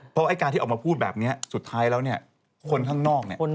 เพราะไอ้การที่ออกมาพูดแบบนี้สุดท้ายแล้วเนี่ยคนข้างนอกเนี่ย